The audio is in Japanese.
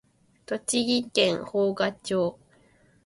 栃木県芳賀町